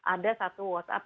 ada satu whatsapp